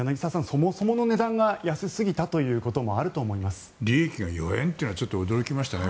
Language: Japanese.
そもそもの値段が安すぎたということも利益が４円というのはちょっと驚きましたよね。